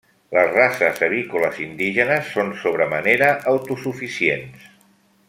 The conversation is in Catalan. Les races avícoles indígenes són sobre manera autosuficients.